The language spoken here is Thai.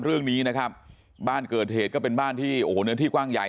เรื่องนี้นะครับบ้านเกิดเหตุก็เป็นบ้านที่โอ้โหเนื้อที่กว้างใหญ่